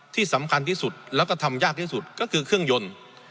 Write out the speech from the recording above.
ที่สำคัญที่สุดแล้วก็ทำยากที่สุดก็คือเครื่องยนต์